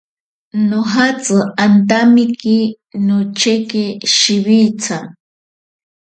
Nojatsi antamiki nocheki shiwitsa.